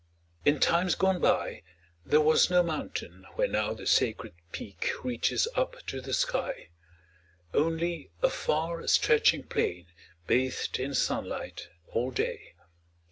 In times gone by, there was no mountain where now the sacred peak reaches up to the sky; only a far stretching plain bathed in sunlight all day.